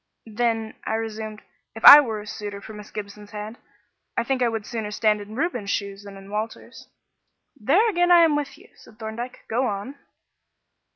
"Then," I resumed, "if I were a suitor for Miss Gibson's hand, I think I would sooner stand in Reuben's shoes than in Walter's." "There again I am with you," said Thorndyke. "Go on."